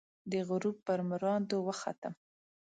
د غروب پر مراندو، وختم